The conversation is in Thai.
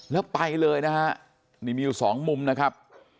แล้วไปเลยนะฮะนี่มีอยู่สองมุมนะครับ